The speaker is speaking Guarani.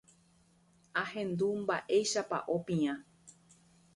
ahendu mba'éichapa opiã